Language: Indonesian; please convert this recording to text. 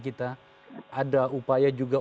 kita ada upaya juga